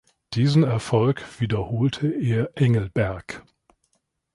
Diesen Erfolg wiederholte er Engelberg.